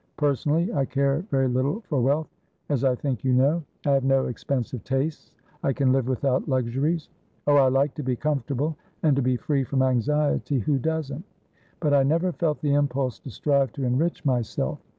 Personally I care very little for wealth, as I think you know. I have no expensive tastes; I can live without luxuries. Oh, I like to be comfortable, and to be free from anxiety; who doesn't? But I never felt the impulse to strive to enrich myself.